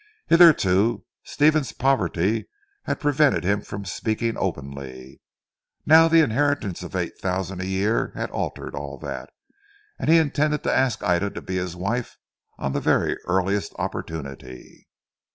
Hitherto Stephen's poverty had prevented his speaking openly. Now the inheritance of eight thousand a year had altered all that, and he intended to ask Ida to be his wife on the very earliest opportunity.